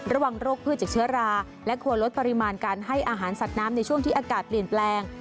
โรคพืชจากเชื้อราและควรลดปริมาณการให้อาหารสัตว์น้ำในช่วงที่อากาศเปลี่ยนแปลง